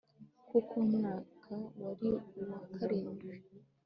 kuko uwo mwaka wari uwa karindwi